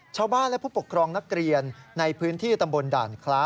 ชาวบ้านและผู้ปกครองนักเรียนในพื้นที่ตำบลด่านคล้า